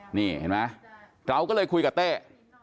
เห็นมานะก็จะเลือก้าดเราก็คุยกับเต้